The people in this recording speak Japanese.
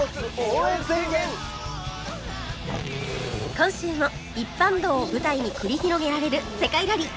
今週も一般道を舞台に繰り広げられる世界ラリー！